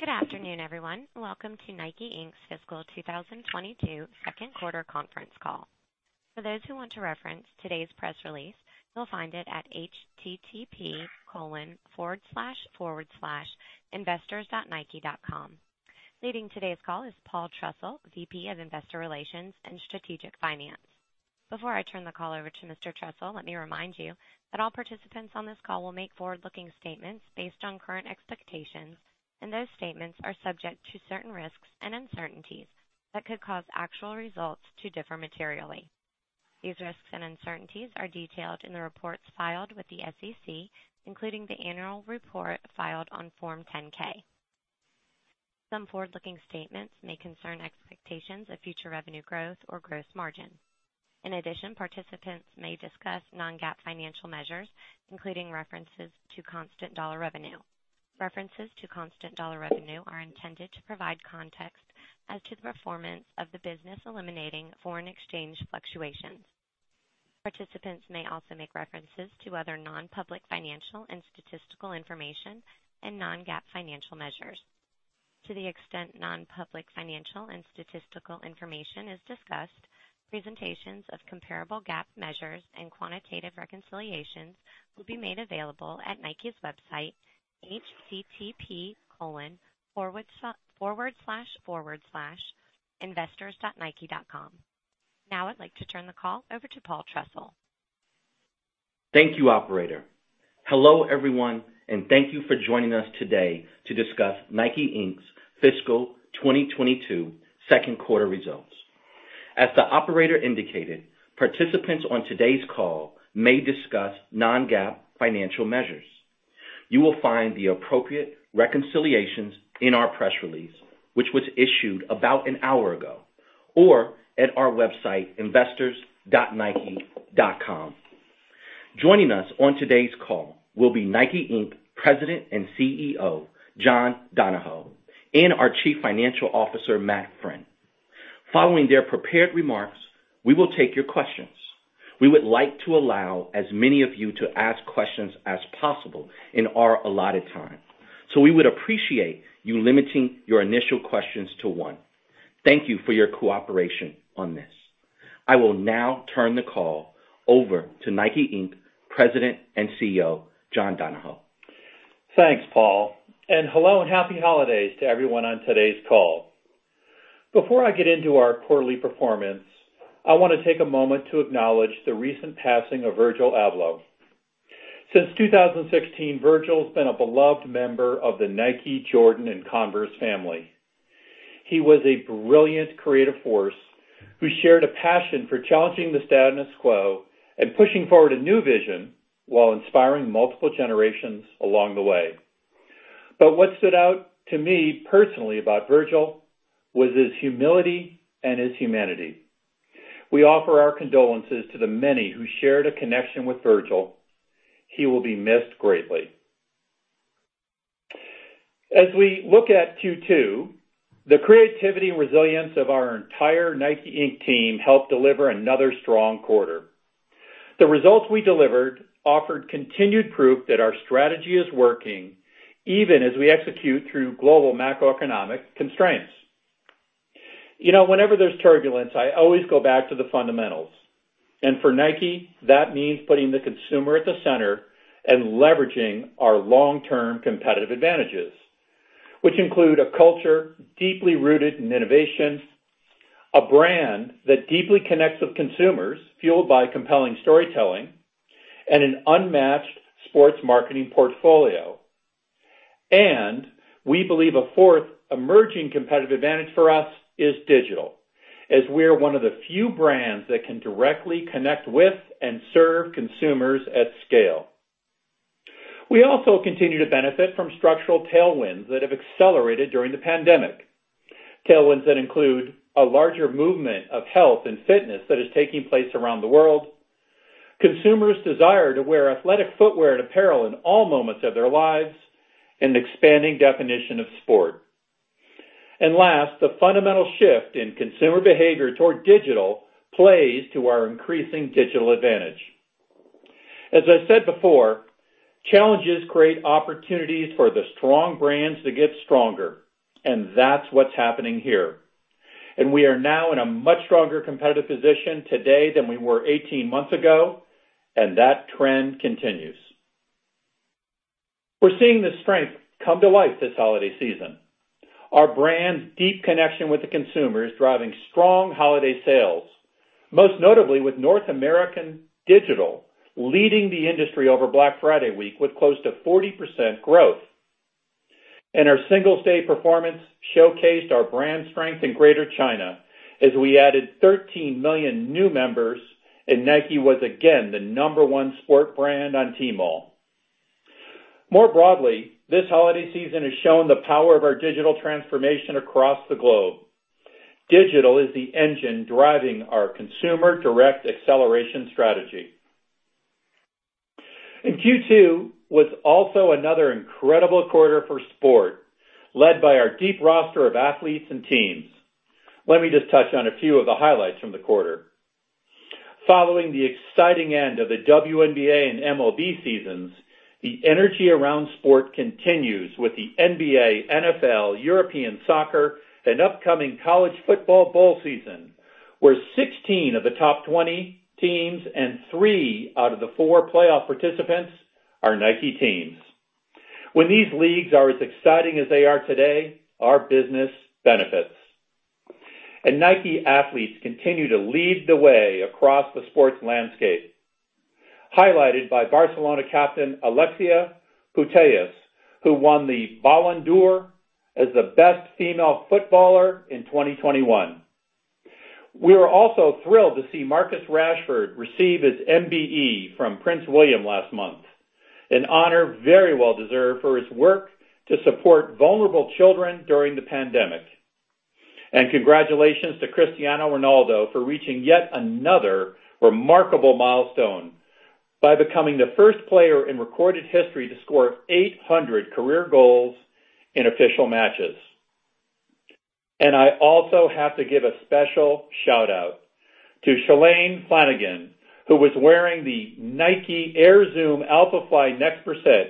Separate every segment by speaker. Speaker 1: Good afternoon, everyone. Welcome to NIKE, Inc's fiscal 2022 second quarter conference call. For those who want to reference today's press release, you'll find it at http://investors.nike.com. Leading today's call is Paul Trussell, VP of Investor Relations and Strategic Finance. Before I turn the call over to Mr. Trussell, let me remind you that all participants on this call will make forward-looking statements based on current expectations, and those statements are subject to certain risks and uncertainties that could cause actual results to differ materially. These risks and uncertainties are detailed in the reports filed with the SEC, including the annual report filed on Form 10-K. Some forward-looking statements may concern expectations of future revenue growth or gross margin. In addition, participants may discuss non-GAAP financial measures, including references to constant dollar revenue. References to constant dollar revenue are intended to provide context as to the performance of the business eliminating foreign exchange fluctuations. Participants may also make references to other non-public financial and statistical information and non-GAAP financial measures. To the extent non-public financial and statistical information is discussed, presentations of comparable GAAP measures and quantitative reconciliations will be made available at NIKE's website, http://investors.nike.com. Now I'd like to turn the call over to Paul Trussell.
Speaker 2: Thank you, operator. Hello, everyone, and thank you for joining us today to discuss NIKE, Inc's fiscal 2022 second quarter results. As the operator indicated, participants on today's call may discuss non-GAAP financial measures. You will find the appropriate reconciliations in our press release, which was issued about an hour ago, or at our website, investors.nike.com. Joining us on today's call will be NIKE, Inc President and CEO, John Donahoe, and our Chief Financial Officer, Matt Friend. Following their prepared remarks, we will take your questions. We would like to allow as many of you to ask questions as possible in our allotted time, so we would appreciate you limiting your initial questions to one. Thank you for your cooperation on this. I will now turn the call over to NIKE, Inc President and CEO, John Donahoe.
Speaker 3: Thanks, Paul. Hello and happy holidays to everyone on today's call. Before I get into our quarterly performance, I wanna take a moment to acknowledge the recent passing of Virgil Abloh. Since 2016, Virgil's been a beloved member of the NIKE, Jordan, and Converse family. He was a brilliant creative force who shared a passion for challenging the status quo and pushing forward a new vision while inspiring multiple generations along the way. What stood out to me personally about Virgil was his humility and his humanity. We offer our condolences to the many who shared a connection with Virgil. He will be missed greatly. As we look at Q2, the creativity and resilience of our entire NIKE, Inc team helped deliver another strong quarter. The results we delivered offered continued proof that our strategy is working even as we execute through global macroeconomic constraints. You know, whenever there's turbulence, I always go back to the fundamentals. For NIKE, that means putting the consumer at the center and leveraging our long-term competitive advantages, which include a culture deeply rooted in innovation, a brand that deeply connects with consumers, fueled by compelling storytelling, and an unmatched sports marketing portfolio. We believe a fourth emerging competitive advantage for us is digital, as we are one of the few brands that can directly connect with and serve consumers at scale. We also continue to benefit from structural tailwinds that have accelerated during the pandemic. Tailwinds that include a larger movement of health and fitness that is taking place around the world, consumers' desire to wear athletic footwear and apparel in all moments of their lives, and expanding definition of sport. Last, the fundamental shift in consumer behavior toward digital plays to our increasing digital advantage. As I said before, challenges create opportunities for the strong brands to get stronger, and that's what's happening here. We are now in a much stronger competitive position today than we were 18 months ago, and that trend continues. We're seeing the strength come to life this holiday season. Our brand's deep connection with the consumer is driving strong holiday sales, most notably with North American digital leading the industry over Black Friday week with close to 40% growth. Our single-day performance showcased our brand strength in Greater China as we added 13 million new members, and NIKE was again the number one sport brand on Tmall. More broadly, this holiday season has shown the power of our digital transformation across the globe. Digital is the engine driving our consumer-direct acceleration strategy. Q2 was also another incredible quarter for sport, led by our deep roster of athletes and teams. Let me just touch on a few of the highlights from the quarter. Following the exciting end of the WNBA and MLB seasons, the energy around sport continues with the NBA, NFL, European soccer, and upcoming college football bowl season, where 16 of the top 20 teams and three out of the four playoff participants are NIKE teams. When these leagues are as exciting as they are today, our business benefits. NIKE athletes continue to lead the way across the sports landscape, highlighted by Barcelona captain Alexia Putellas, who won the Ballon d'Or as the best female footballer in 2021. We are also thrilled to see Marcus Rashford receive his MBE from Prince William last month, an honor very well deserved for his work to support vulnerable children during the pandemic. Congratulations to Cristiano Ronaldo for reaching yet another remarkable milestone by becoming the first player in recorded history to score 800 career goals in official matches. I also have to give a special shout-out to Shalane Flanagan, who was wearing the NIKE Air Zoom Alphafly NEXT% Air Zoom Alphafly NEXT%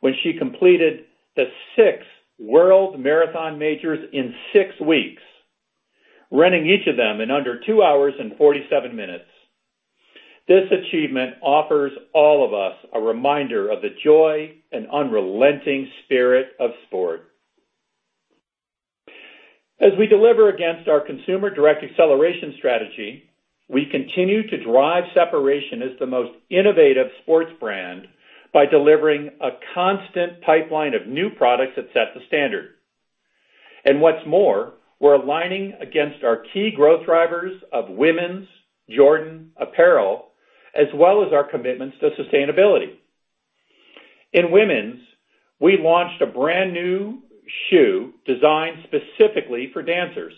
Speaker 3: when she completed the six world marathon majors in six weeks, running each of them in under two hours and 47 minutes. This achievement offers all of us a reminder of the joy and unrelenting spirit of sport. As we deliver against our Consumer Direct Acceleration strategy, we continue to drive separation as the most innovative sports brand by delivering a constant pipeline of new products that set the standard. What's more, we're aligning against our key growth drivers of women's, Jordan apparel, as well as our commitments to sustainability. In women's, we launched a brand-new shoe designed specifically for dancers.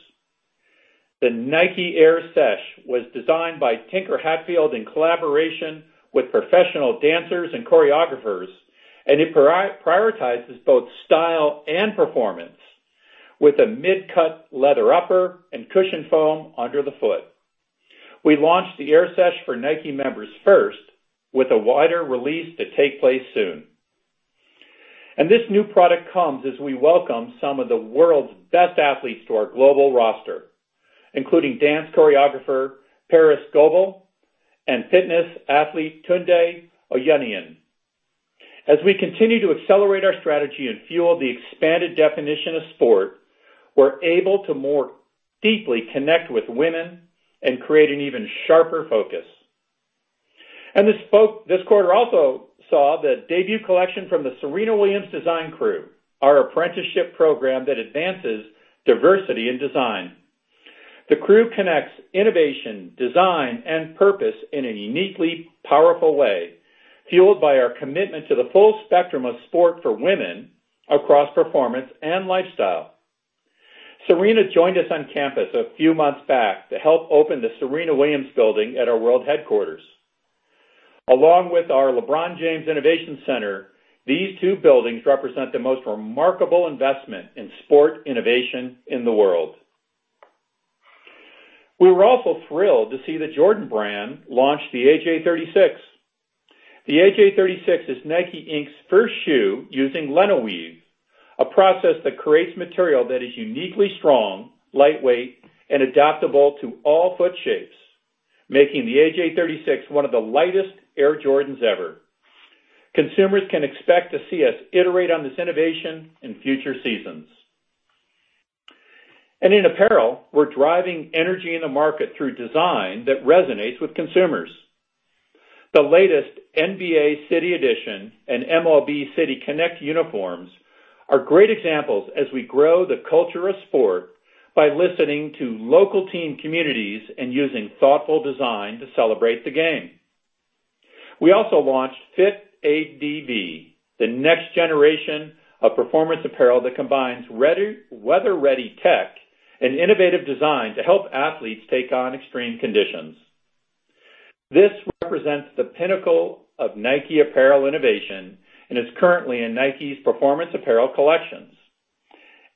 Speaker 3: The NIKE Air Sesh was designed by Tinker Hatfield in collaboration with professional dancers and choreographers, and it prioritizes both style and performance with a mid-cut leather upper and cushion foam under the foot. We launched the Air Sesh for NIKE members first, with a wider release to take place soon. This new product comes as we welcome some of the world's best athletes to our global roster, including dance choreographer Parris Goebel and fitness athlete Tunde Oyeneyin. As we continue to accelerate our strategy and fuel the expanded definition of sport, we're able to more deeply connect with women and create an even sharper focus. This quarter also saw the debut collection from the Serena Williams Design Crew, our apprenticeship program that advances diversity in design. The crew connects innovation, design, and purpose in a uniquely powerful way, fueled by our commitment to the full spectrum of sport for women across performance and lifestyle. Serena joined us on campus a few months back to help open the Serena Williams Building at our world headquarters. Along with our LeBron James Innovation Center, these two buildings represent the most remarkable investment in sport innovation in the world. We were also thrilled to see the Jordan Brand launch the AJ 36. The AJ 36 is NIKE, Inc's first shoe using leno-weave, a process that creates material that is uniquely strong, lightweight, and adaptable to all foot shapes, making the AJ 36 one of the lightest Air Jordans ever. Consumers can expect to see us iterate on this innovation in future seasons. In apparel, we're driving energy in the market through design that resonates with consumers. The latest NBA City Edition and MLB City Connect uniforms are great examples as we grow the culture of sport by listening to local team communities and using thoughtful design to celebrate the game. We also launched FIT ADV, the next generation of performance apparel that combines weather-ready tech and innovative design to help athletes take on extreme conditions. This represents the pinnacle of NIKE apparel innovation and is currently in NIKE's performance apparel collections.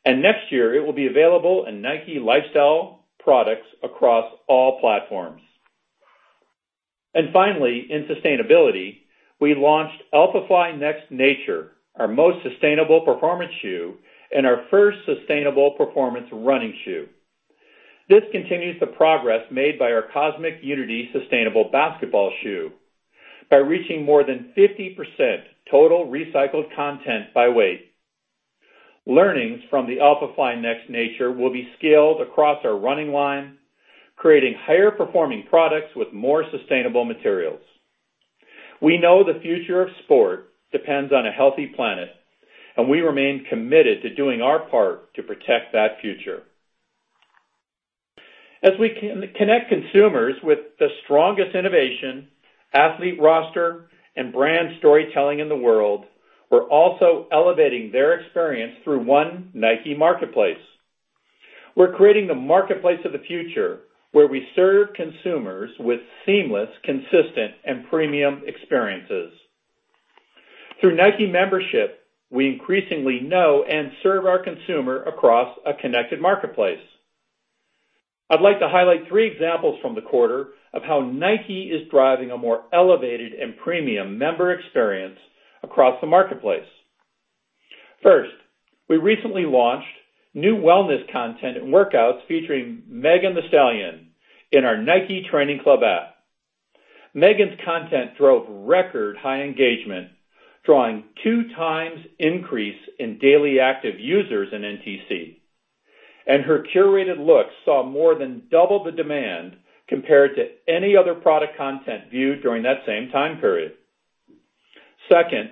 Speaker 3: Next year, it will be available in NIKE lifestyle products across all platforms. Finally, in sustainability, we launched Alphafly Next Nature, our most sustainable performance shoe and our first sustainable performance running shoe. This continues the progress made by our Cosmic Unity sustainable basketball shoe by reaching more than 50% total recycled content by weight. Learnings from the Alphafly Next Nature will be scaled across our running line, creating higher-performing products with more sustainable materials. We know the future of sport depends on a healthy planet, and we remain committed to doing our part to protect that future. As we connect consumers with the strongest innovation, athlete roster, and brand storytelling in the world, we're also elevating their experience through One NIKE Marketplace. We're creating the marketplace of the future, where we serve consumers with seamless, consistent, and premium experiences. Through NIKE membership, we increasingly know and serve our consumer across a connected marketplace. I'd like to highlight three examples from the quarter of how NIKE is driving a more elevated and premium member experience across the marketplace. First, we recently launched new wellness content and workouts featuring Megan Thee Stallion in our NIKE Training Club app. Megan's content drove record high engagement, drawing 2x increase in daily active users in NTC. Her curated looks saw more than double the demand compared to any other product content viewed during that same time period. Second,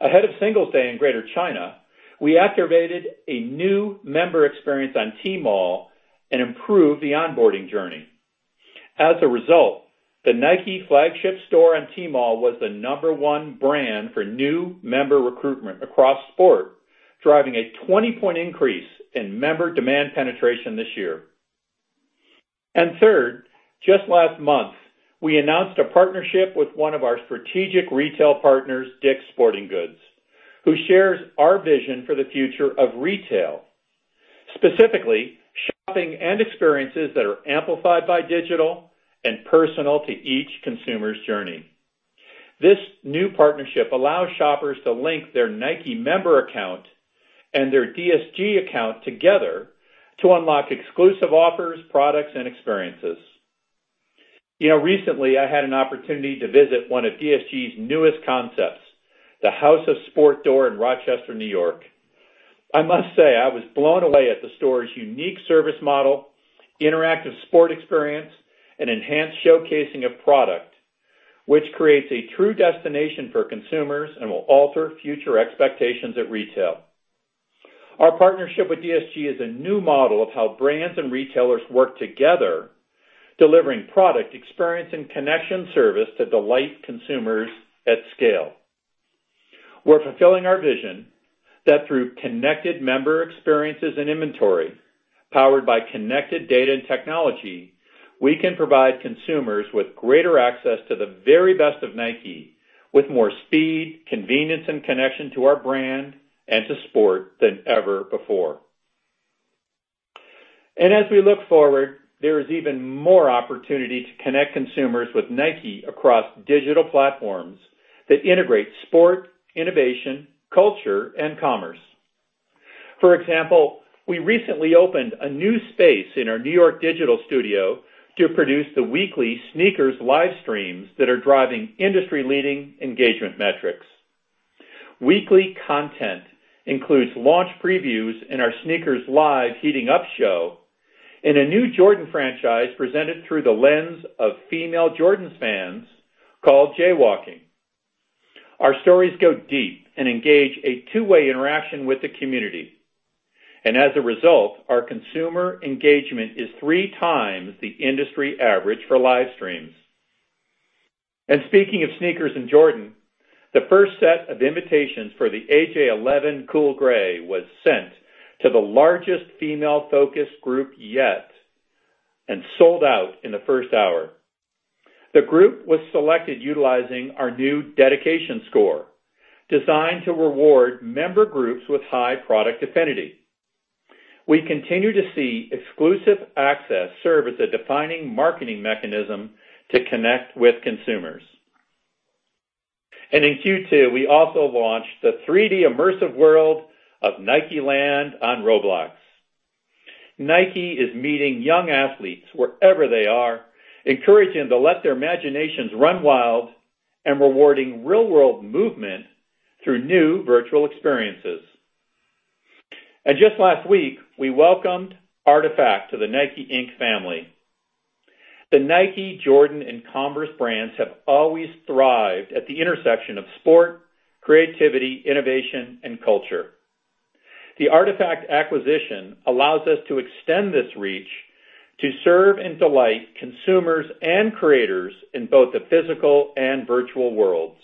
Speaker 3: ahead of Singles' Day in Greater China, we activated a new member experience on Tmall and improved the onboarding journey. As a result, the NIKE flagship store on Tmall was the number one brand for new member recruitment across sport, driving a 20-point increase in member demand penetration this year. Third, just last month, we announced a partnership with one of our strategic retail partners, DICK'S Sporting Goods, who shares our vision for the future of retail, specifically shopping and experiences that are amplified by digital and personal to each consumer's journey. This new partnership allows shoppers to link their NIKE member account and their DSG account together to unlock exclusive offers, products, and experiences. You know, recently I had an opportunity to visit one of DSG's newest concepts, the House of Sport store in Rochester, New York. I must say I was blown away at the store's unique service model, interactive sport experience, and enhanced showcasing of product, which creates a true destination for consumers and will alter future expectations at retail. Our partnership with DSG is a new model of how brands and retailers work together, delivering product experience and connection service to delight consumers at scale. We're fulfilling our vision that through connected member experiences and inventory, powered by connected data and technology, we can provide consumers with greater access to the very best of NIKE with more speed, convenience, and connection to our brand and to sport than ever before. As we look forward, there is even more opportunity to connect consumers with NIKE across digital platforms that integrate sport, innovation, culture, and commerce. For example, we recently opened a new space in our New York digital studio to produce the weekly SNKRS live streams that are driving industry-leading engagement metrics. Weekly content includes launch previews in our SNKRS Live Heating Up show and a new Jordan franchise presented through the lens of female Jordan fans called Jaywalking. Our stories go deep and engage a two-way interaction with the community. As a result, our consumer engagement is 3x the industry average for live streams. Speaking of sneakers in Jordan, the first set of invitations for the AJ 11 Cool Grey was sent to the largest female focus group yet and sold out in the first hour. The group was selected utilizing our new dedication score, designed to reward member groups with high product affinity. We continue to see exclusive access serve as a defining marketing mechanism to connect with consumers. In Q2, we also launched the 3D immersive world of NIKELAND on Roblox. NIKE is meeting young athletes wherever they are, encouraging them to let their imaginations run wild and rewarding real-world movement through new virtual experiences. Just last week, we welcomed RTFKT to the NIKE, Inc family. The NIKE, Jordan, and Converse brands have always thrived at the intersection of sport, creativity, innovation, and culture. The RTFKT acquisition allows us to extend this reach to serve and delight consumers and creators in both the physical and virtual worlds.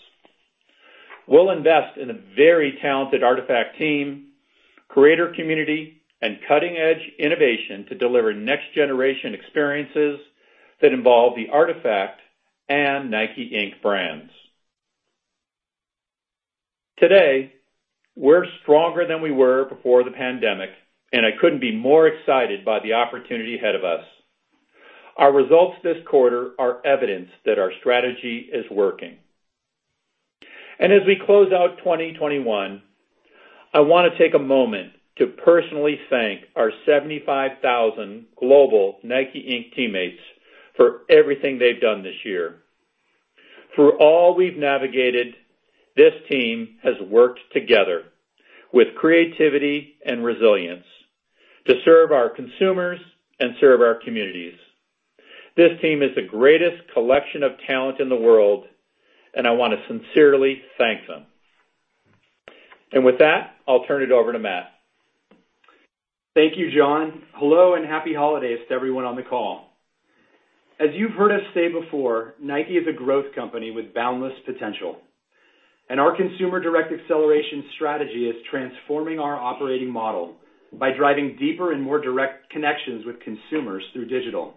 Speaker 3: We'll invest in a very talented RTFKT team, creator community, and cutting-edge innovation to deliver next generation experiences that involve the RTFKT and NIKE, Inc brands. Today, we're stronger than we were before the pandemic, and I couldn't be more excited by the opportunity ahead of us. Our results this quarter are evidence that our strategy is working. As we close out 2021, I wanna take a moment to personally thank our 75,000 global NIKE, Inc teammates for everything they've done this year. Through all we've navigated, this team has worked together with creativity and resilience to serve our consumers and serve our communities. This team is the greatest collection of talent in the world, and I wanna sincerely thank them. With that, I'll turn it over to Matt.
Speaker 4: Thank you, John. Hello and happy holidays to everyone on the call. As you've heard us say before, NIKE is a growth company with boundless potential, and our Consumer Direct Acceleration strategy is transforming our operating model by driving deeper and more direct connections with consumers through digital.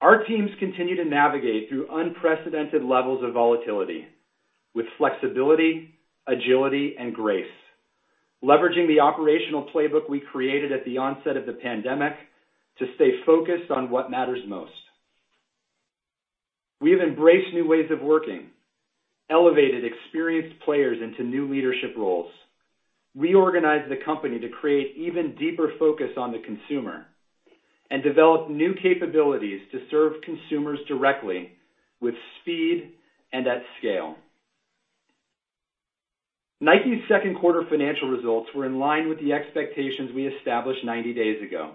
Speaker 4: Our teams continue to navigate through unprecedented levels of volatility with flexibility, agility, and grace, leveraging the operational playbook we created at the onset of the pandemic to stay focused on what matters most. We have embraced new ways of working, elevated experienced players into new leadership roles, reorganized the company to create even deeper focus on the consumer, and develop new capabilities to serve consumers directly with speed and at scale. NIKE's second quarter financial results were in line with the expectations we established 90 days ago,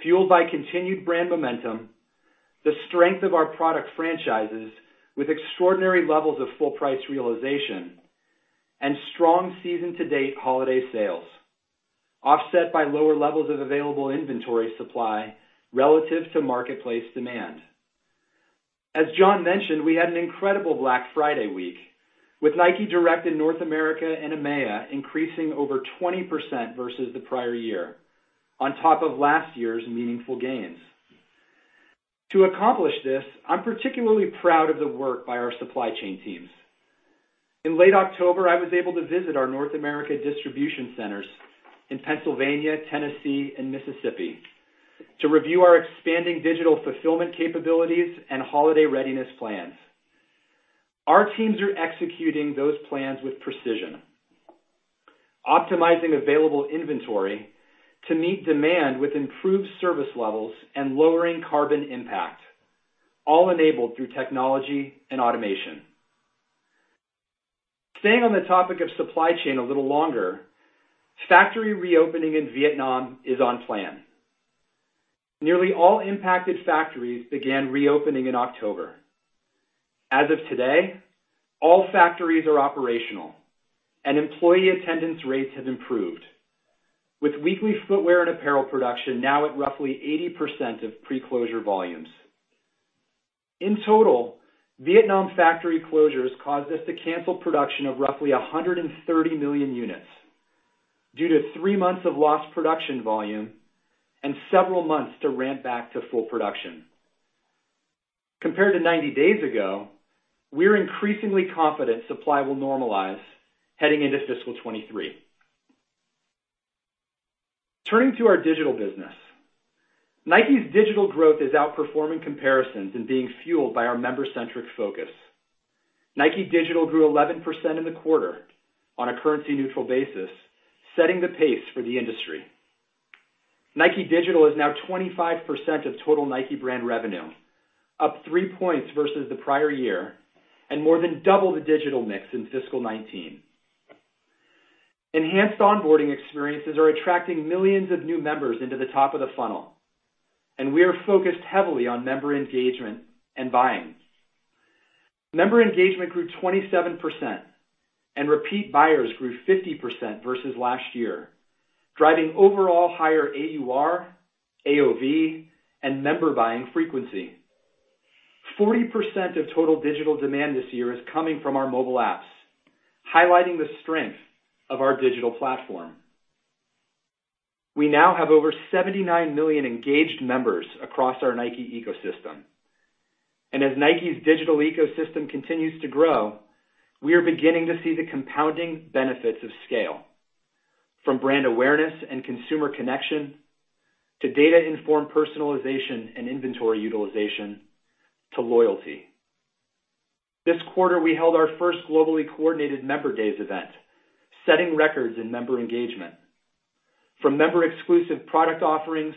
Speaker 4: fueled by continued brand momentum, the strength of our product franchises with extraordinary levels of full price realization and strong season-to-date holiday sales offset by lower levels of available inventory supply relative to marketplace demand. As John mentioned, we had an incredible Black Friday week with NIKE Direct in North America and EMEA increasing over 20% versus the prior year on top of last year's meaningful gains. To accomplish this, I'm particularly proud of the work by our supply chain teams. In late October, I was able to visit our North America distribution centers in Pennsylvania, Tennessee, and Mississippi to review our expanding digital fulfillment capabilities and holiday readiness plans. Our teams are executing those plans with precision, optimizing available inventory to meet demand with improved service levels and lowering carbon impact, all enabled through technology and automation. Staying on the topic of supply chain a little longer, factory reopening in Vietnam is on plan. Nearly all impacted factories began reopening in October. As of today, all factories are operational, employee attendance rates have improved, with weekly footwear and apparel production now at roughly 80% of pre-closure volumes. In total, Vietnam factory closures caused us to cancel production of roughly 130 million units due to three months of lost production volume and several months to ramp back to full production. Compared to 90 days ago, we're increasingly confident supply will normalize heading into fiscal 2023. Turning to our digital business, NIKE 's digital growth is outperforming comparisons and being fueled by our member-centric focus. NIKE Digital grew 11% in the quarter on a currency neutral basis, setting the pace for the industry. NIKE Digital is now 25% of total NIKE brand revenue, up 3 points versus the prior year and more than double the digital mix in fiscal 2019. Enhanced onboarding experiences are attracting millions of new members into the top of the funnel, and we are focused heavily on member engagement and buying. Member engagement grew 27% and repeat buyers grew 50% versus last year, driving overall higher AUR, AOV, and member buying frequency. 40% of total digital demand this year is coming from our mobile apps, highlighting the strength of our digital platform. We now have over 79 million engaged members across our NIKE ecosystem. As NIKE's digital ecosystem continues to grow, we are beginning to see the compounding benefits of scale from brand awareness and consumer connection to data-informed personalization and inventory utilization to loyalty. This quarter, we held our first globally coordinated member days event, setting records in member engagement. From member-exclusive product offerings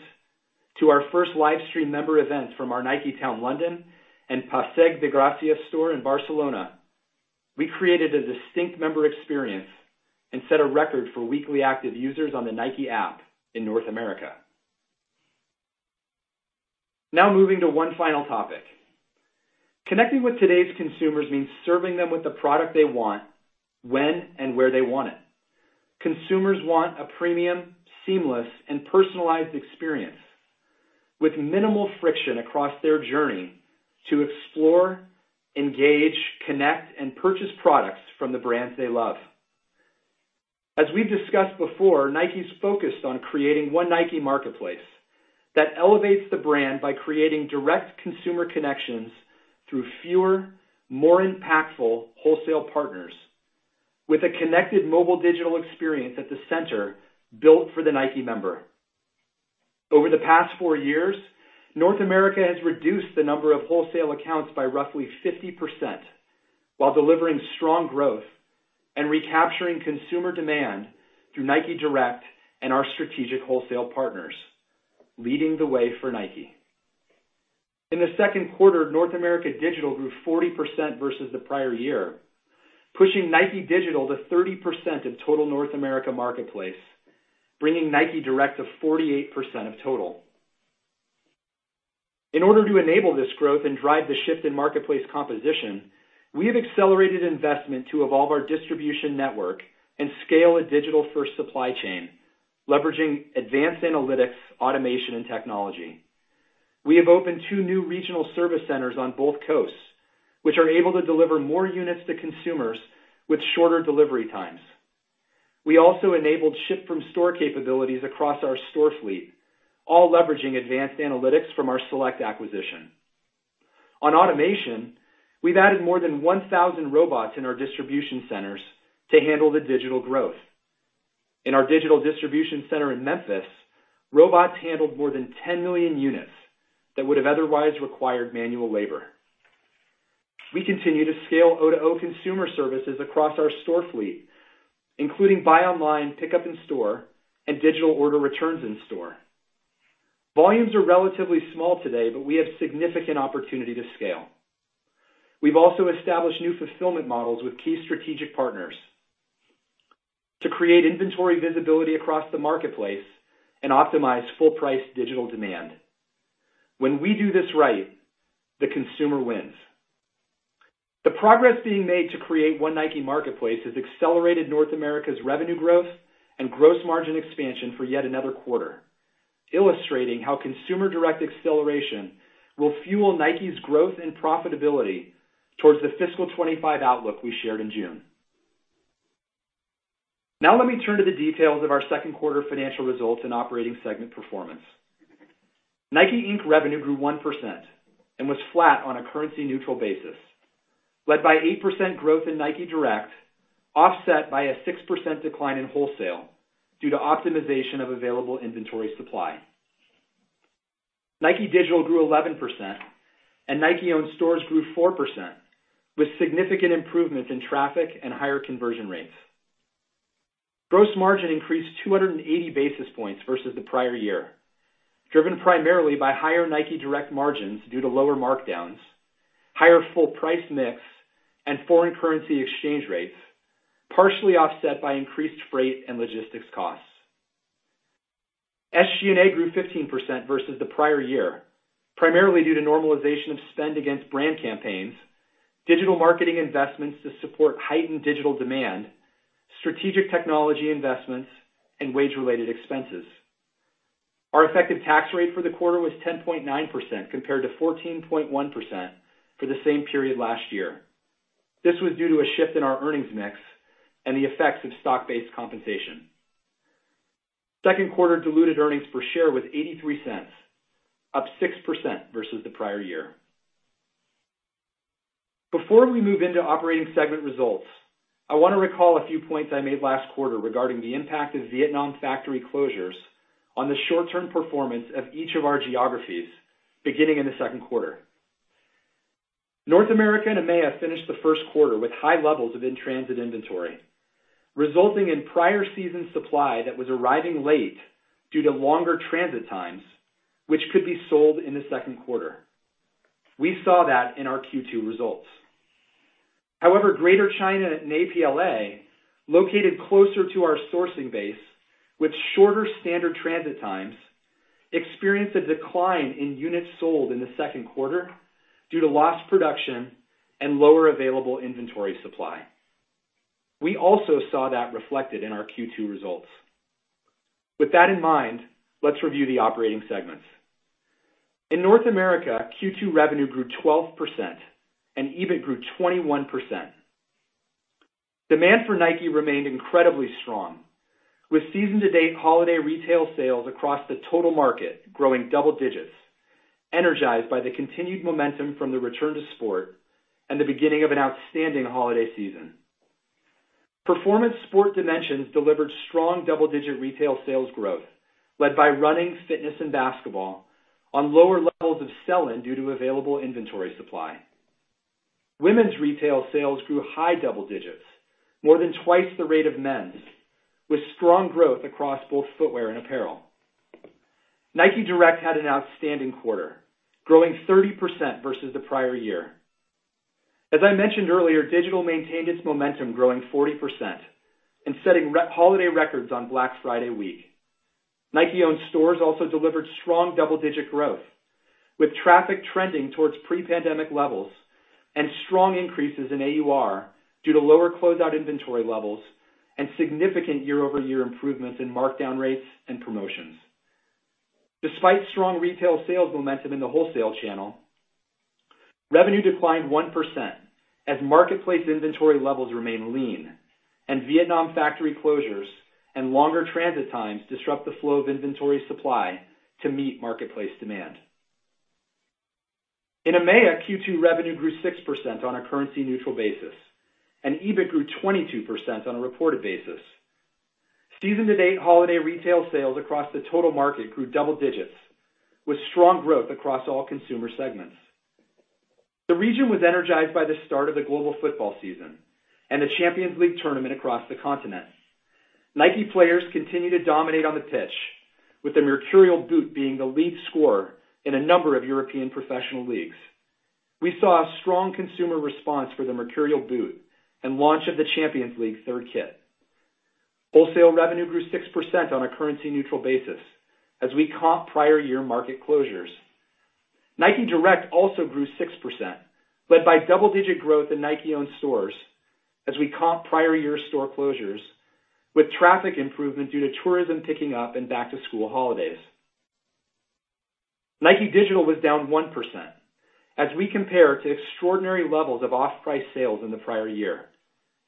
Speaker 4: to our first live stream member events from our Niketown London and Passeig de Gràcia store in Barcelona, we created a distinct member experience and set a record for weekly active users on the NIKE app in North America. Now moving to one final topic. Connecting with today's consumers means serving them with the product they want when and where they want it. Consumers want a premium, seamless, and personalized experience with minimal friction across their journey to explore, engage, connect, and purchase products from the brands they love. As we've discussed before, NIKE's focused on creating One NIKE Marketplace that elevates the brand by creating direct consumer connections through fewer, more impactful wholesale partners with a connected mobile digital experience at the center built for the NIKE member. Over the past four years, North America has reduced the number of wholesale accounts by roughly 50%, while delivering strong growth and recapturing consumer demand through NIKE Direct and our strategic wholesale partners, leading the way for NIKE. In the second quarter, North America Digital grew 40% versus the prior year, pushing NIKE Digital to 30% of total North America marketplace, bringing NIKE Direct to 48% of total. In order to enable this growth and drive the shift in marketplace composition, we have accelerated investment to evolve our distribution network and scale a digital-first supply chain, leveraging advanced analytics, automation, and technology. We have opened two new regional service centers on both coasts, which are able to deliver more units to consumers with shorter delivery times. We also enabled ship from store capabilities across our store fleet, all leveraging advanced analytics from our Celect acquisition. On automation, we've added more than 1,000 robots in our distribution centers to handle the digital growth. In our digital distribution center in Memphis, robots handled more than 10 million units that would have otherwise required manual labor. We continue to scale O2O consumer services across our store fleet, including buy online, pickup-in-store and digital order returns in store. Volumes are relatively small today, but we have significant opportunity to scale. We've also established new fulfillment models with key strategic partners to create inventory visibility across the marketplace and optimize full price digital demand. When we do this right, the consumer wins. The progress being made to create One NIKE Marketplace has accelerated North America's revenue growth and gross margin expansion for yet another quarter, illustrating how Consumer Direct Acceleration will fuel NIKE's growth and profitability towards the fiscal 2025 outlook we shared in June. Now let me turn to the details of our second quarter financial results and operating segment performance. NIKE, Inc revenue grew 1% and was flat on a currency-neutral basis, led by 8% growth in NIKE Direct, offset by a 6% decline in wholesale due to optimization of available inventory supply. NIKE Digital grew 11% and NIKE-owned stores grew 4%, with significant improvements in traffic and higher conversion rates. Gross margin increased 280 basis points versus the prior year, driven primarily by higher NIKE Direct margins due to lower markdowns, higher full-price mix, and foreign currency exchange rates, partially offset by increased freight and logistics costs. SG&A grew 15% versus the prior year, primarily due to normalization of spend against brand campaigns, digital marketing investments to support heightened digital demand, strategic technology investments and wage-related expenses. Our effective tax rate for the quarter was 10.9%, compared to 14.1% for the same period last year. This was due to a shift in our earnings mix and the effects of stock-based compensation. Second quarter diluted earnings per share was $0.83, up 6% versus the prior year. Before we move into operating segment results, I want to recall a few points I made last quarter regarding the impact of Vietnam factory closures on the short-term performance of each of our geographies beginning in the second quarter. North America and EMEA finished the first quarter with high levels of in-transit inventory, resulting in prior season supply that was arriving late due to longer transit times, which could be sold in the second quarter. We saw that in our Q2 results. However, Greater China and APLA, located closer to our sourcing base with shorter standard transit times, experienced a decline in units sold in the second quarter due to lost production and lower available inventory supply. We also saw that reflected in our Q2 results. With that in mind, let's review the operating segments. In North America, Q2 revenue grew 12% and EBIT grew 21%. Demand for NIKE remained incredibly strong, with season-to-date holiday retail sales across the total market growing double digits, energized by the continued momentum from the return to sport and the beginning of an outstanding holiday season. Performance sport dimensions delivered strong double-digit retail sales growth led by running, fitness and basketball on lower levels of sell-in due to available inventory supply. Women's retail sales grew high double digits, more than twice the rate of men's, with strong growth across both footwear and apparel. NIKE Direct had an outstanding quarter, growing 30% versus the prior year. As I mentioned earlier, digital maintained its momentum, growing 40% and setting holiday records on Black Friday week. NIKE-owned stores also delivered strong double-digit growth, with traffic trending towards pre-pandemic levels and strong increases in AUR due to lower closeout inventory levels and significant year-over-year improvements in markdown rates and promotions. Despite strong retail sales momentum in the wholesale channel, revenue declined 1% as marketplace inventory levels remain lean and Vietnam factory closures and longer transit times disrupt the flow of inventory supply to meet marketplace demand. In EMEA, Q2 revenue grew 6% on a currency neutral basis, and EBIT grew 22% on a reported basis. Season-to-date holiday retail sales across the total market grew double digits, with strong growth across all consumer segments. The region was energized by the start of the Global Football season and the Champions League tournament across the continent. NIKE players continue to dominate on the pitch, with the Mercurial boot being the lead scorer in a number of European professional leagues. We saw a strong consumer response for the Mercurial boot and launch of the Champions League third kit. Wholesale revenue grew 6% on a currency neutral basis as we comp prior year market closures. NIKE Direct also grew 6%, led by double-digit growth in NIKE-owned stores as we comp prior-year store closures with traffic improvement due to tourism picking up and back-to-school holidays. NIKE Digital was down 1% as we compare to extraordinary levels of off-price sales in the prior year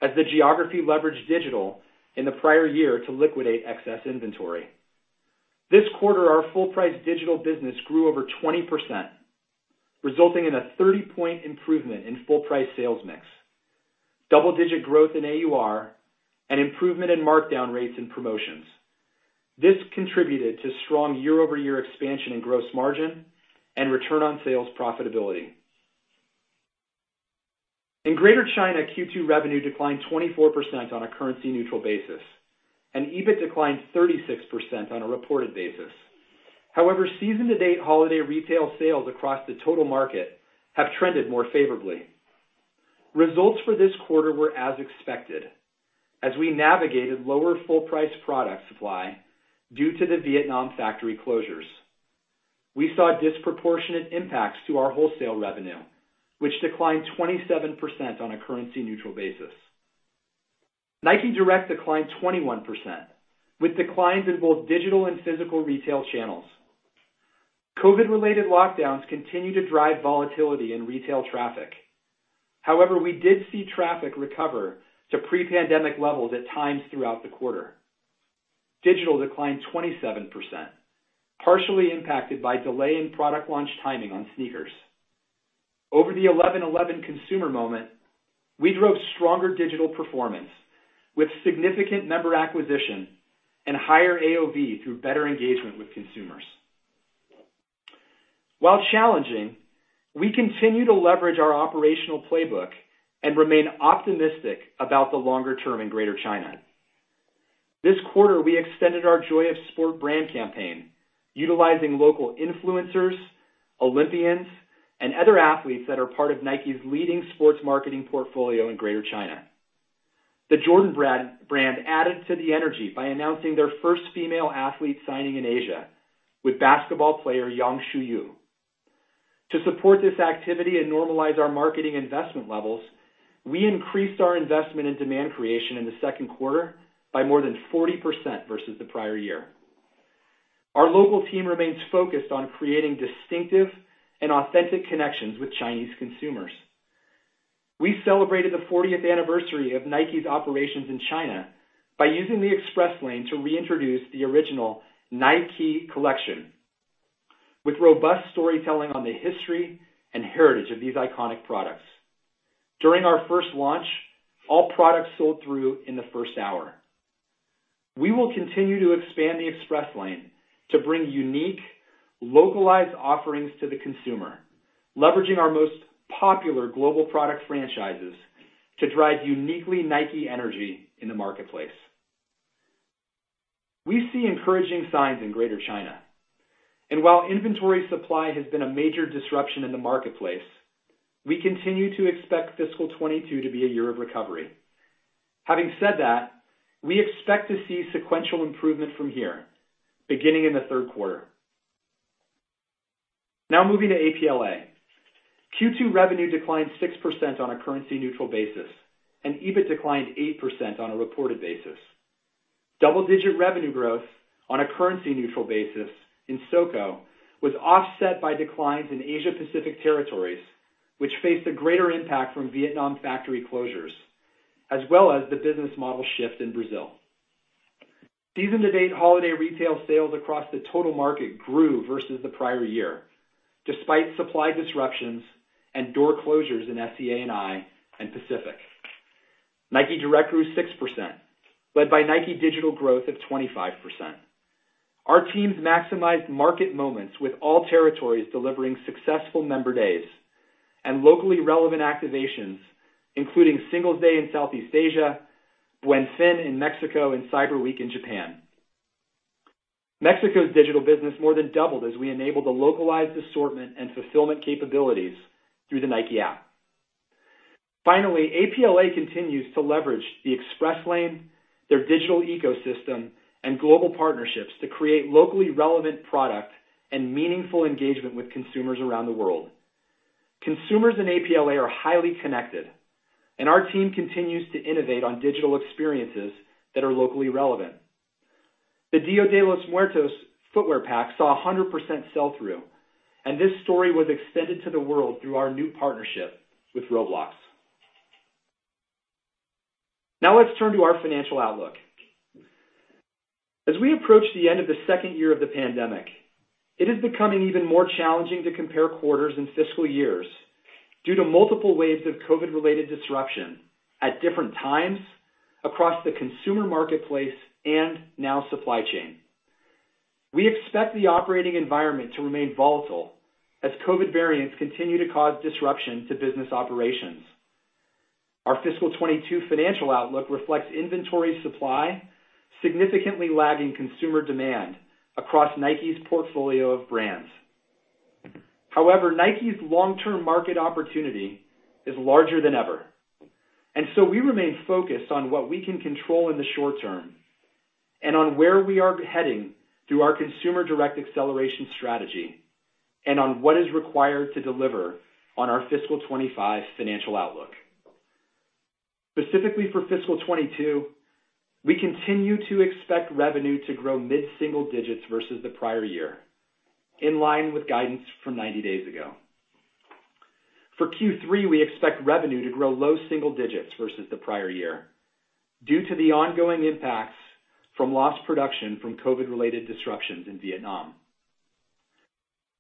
Speaker 4: as the geography leveraged digital in the prior year to liquidate excess inventory. This quarter, our full-price digital business grew over 20%, resulting in a 30-point improvement in full-price sales mix, double-digit growth in AUR and improvement in markdown rates and promotions. This contributed to strong year-over-year expansion in gross margin and return on sales profitability. In Greater China, Q2 revenue declined 24% on a currency neutral basis, and EBIT declined 36% on a reported basis. However, season-to-date holiday retail sales across the total market have trended more favorably. Results for this quarter were as expected as we navigated lower full price product supply due to the Vietnam factory closures. We saw disproportionate impacts to our wholesale revenue, which declined 27% on a currency neutral basis. NIKE Direct declined 21% with declines in both digital and physical retail channels. COVID-related lockdowns continue to drive volatility in retail traffic. However, we did see traffic recover to pre-pandemic levels at times throughout the quarter. Digital declined 27%, partially impacted by delay in product launch timing on sneakers. Over the 11.11 consumer moment, we drove stronger digital performance with significant member acquisition and higher AOV through better engagement with consumers. While challenging, we continue to leverage our operational playbook and remain optimistic about the longer-term in Greater China. This quarter, we extended our Joy of Sport brand campaign, utilizing local influencers, Olympians, and other athletes that are part of NIKE's leading sports marketing portfolio in Greater China. The Jordan Brand added to the energy by announcing their first female athlete signing in Asia with basketball player Yang Shuyu. To support this activity and normalize our marketing investment levels, we increased our investment in demand creation in the second quarter by more than 40% versus the prior year. Our local team remains focused on creating distinctive and authentic connections with Chinese consumers. We celebrated the fortieth anniversary of NIKE's operations in China by using the Express Lane to reintroduce the original NIKE collection with robust storytelling on the history and heritage of these iconic products. During our first launch, all products sold through in the first hour. We will continue to expand the Express Lane to bring unique, localized offerings to the consumer, leveraging our most popular global product franchises to drive uniquely NIKE energy in the marketplace. We see encouraging signs in Greater China, and while inventory supply has been a major disruption in the marketplace, we continue to expect fiscal 2022 to be a year of recovery. Having said that, we expect to see sequential improvement from here beginning in the third quarter. Now moving to APLA. Q2 revenue declined 6% on a currency neutral basis, and EBIT declined 8% on a reported basis. Double-digit revenue growth on a currency neutral basis in SoCo was offset by declines in Asia Pacific territories, which faced a greater impact from Vietnam factory closures, as well as the business model shift in Brazil. Season-to-date holiday retail sales across the total market grew versus the prior year, despite supply disruptions and door closures in SEA&I and Pacific. NIKE Direct grew 6%, led by NIKE Digital growth of 25%. Our teams maximized market moments with all territories delivering successful member days and locally relevant activations, including Singles' Day in Southeast Asia, Buen Fin in Mexico, and Cyber Week in Japan. Mexico's digital business more than doubled as we enabled the localized assortment and fulfillment capabilities through the NIKE app. Finally, APLA continues to leverage the Express Lane, their digital ecosystem and global partnerships to create locally relevant product and meaningful engagement with consumers around the world. Consumers in APLA are highly connected, and our team continues to innovate on digital experiences that are locally relevant. The Día de los Muertos footwear pack saw 100% sell through, and this story was extended to the world through our new partnership with Roblox. Now let's turn to our financial outlook. As we approach the end of the second year of the pandemic, it is becoming even more challenging to compare quarters and fiscal years due to multiple waves of COVID-related disruption at different times across the consumer marketplace and now supply chain. We expect the operating environment to remain volatile as COVID variants continue to cause disruption to business operations. Our fiscal 2022 financial outlook reflects inventory supply, significantly lagging consumer demand across NIKE's portfolio of brands. However, NIKE's long-term market opportunity is larger than ever, and so we remain focused on what we can control in the short term and on where we are heading through our Consumer Direct Acceleration strategy and on what is required to deliver on our fiscal 2025 financial outlook. Specifically for fiscal 2022, we continue to expect revenue to grow mid-single digits versus the prior year, in line with guidance from 90 days ago. For Q3, we expect revenue to grow low-single digits versus the prior year due to the ongoing impacts from lost production from COVID-related disruptions in Vietnam.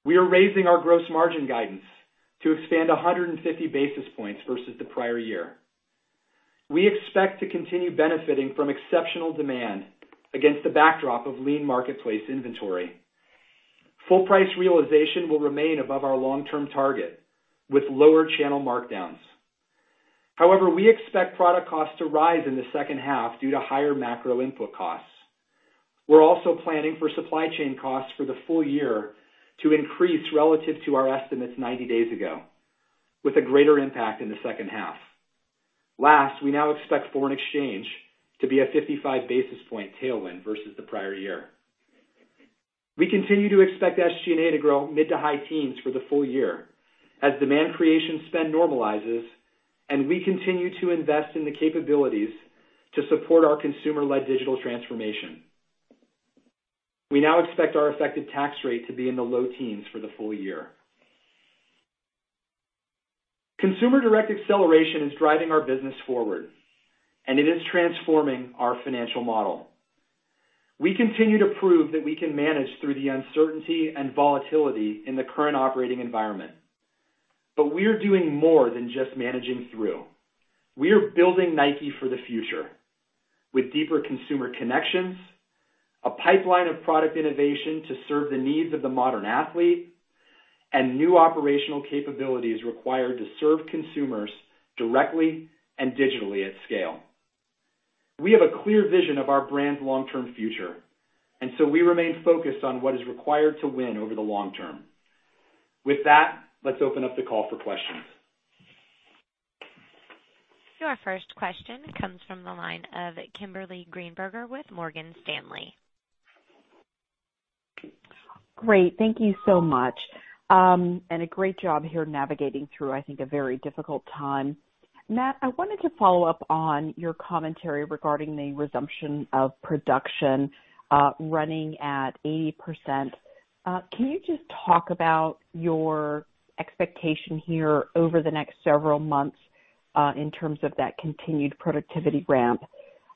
Speaker 4: We are raising our gross margin guidance to expand 150 basis points versus the prior year. We expect to continue benefiting from exceptional demand against the backdrop of lean marketplace inventory. Full price realization will remain above our long-term target with lower channel markdowns. However, we expect product costs to rise in the second half due to higher macro input costs. We're also planning for supply chain costs for the full year to increase relative to our estimates 90 days ago, with a greater impact in the second half. Last, we now expect foreign exchange to be a 55 basis points tailwind versus the prior year. We continue to expect SG&A to grow mid- to high-teens for the full year as demand creation spend normalizes and we continue to invest in the capabilities to support our consumer-led digital transformation. We now expect our effective tax rate to be in the low-teens for the full year. Consumer Direct Acceleration is driving our business forward, and it is transforming our financial model. We continue to prove that we can manage through the uncertainty and volatility in the current operating environment. We're doing more than just managing through. We are building NIKE for the future with deeper consumer connections, a pipeline of product innovation to serve the needs of the modern athlete and new operational capabilities required to serve consumers directly and digitally at scale. We have a clear vision of our brand's long-term future, and so we remain focused on what is required to win over the long-term. With that, let's open up the call for questions.
Speaker 1: Your first question comes from the line of Kimberly Greenberger with Morgan Stanley.
Speaker 5: Great. Thank you so much. A great job here navigating through, I think, a very difficult time. Matt, I wanted to follow up on your commentary regarding the resumption of production, running at 80%. Can you just talk about your expectation here over the next several months, in terms of that continued productivity ramp?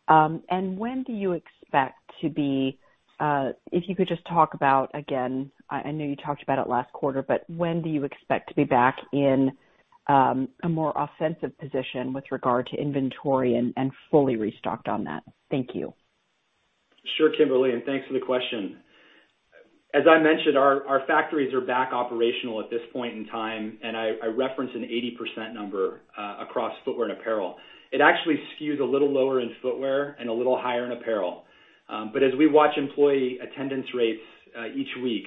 Speaker 5: When do you expect to be, if you could just talk about, again, I know you talked about it last quarter, but when do you expect to be back in, a more offensive position with regard to inventory and fully restocked on that? Thank you.
Speaker 4: Sure, Kimberly, thanks for the question. As I mentioned, our factories are back operational at this point in time, and I referenced an 80% number across footwear and apparel. It actually skews a little lower in footwear and a little higher in apparel. As we watch employee attendance rates each week,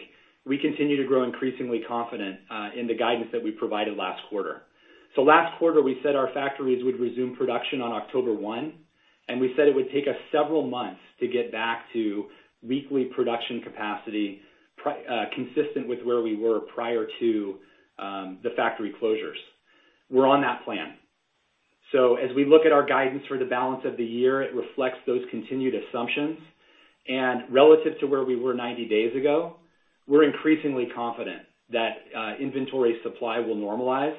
Speaker 4: we continue to grow increasingly confident in the guidance that we provided last quarter. Last quarter, we said our factories would resume production on October 1, and we said it would take us several months to get back to weekly production capacity consistent with where we were prior to the factory closures. We're on that plan. As we look at our guidance for the balance of the year, it reflects those continued assumptions. Relative to where we were 90 days ago, we're increasingly confident that inventory supply will normalize